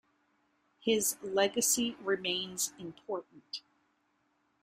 His legacy remains important.